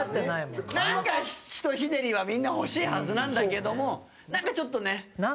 なんかひとひねりはみんな欲しいはずなんだけどもなんかちょっとね。